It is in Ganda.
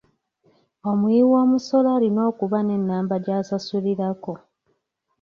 Omuwiwoomusolo alina okuba n'ennamba gy'asasulirako.